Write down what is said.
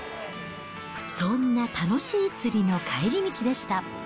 そんな楽しい釣りの帰り道でした。